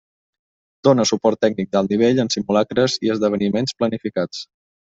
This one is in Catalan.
Dóna suport tècnic d'alt nivell en simulacres i esdeveniments planificats.